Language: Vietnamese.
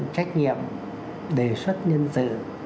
trách nhiệm đề xuất nhân sự